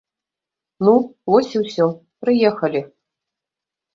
Ну, вось і ўсё, прыехалі.